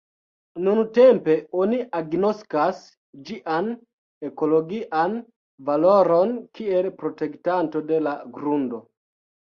Nuntempe oni agnoskas ĝian ekologian valoron kiel protektanto de la grundo.